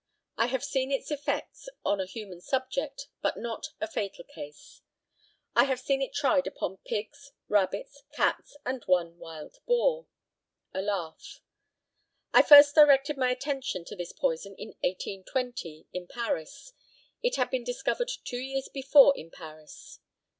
I have seen its effects on a human subject, but not a fatal case. I have seen it tried upon pigs, rabbits, cats, and one wild boar. (A laugh.) I first directed my attention to this poison in 1820, in Paris. It had been discovered two years before in Paris.